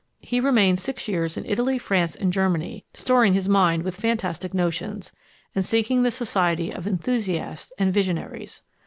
He remained six years in Italy, France, and Germany, storing his mind with fantastic notions, and seeking the society of enthusiasts and visionaries.